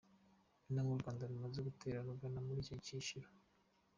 Intambwe u Rwanda rumaze gutera rugana muri icyo cyiciro.